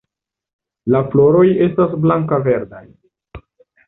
La floroj estas blanka-verdaj.